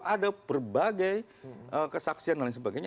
ada berbagai kesaksian dan lain sebagainya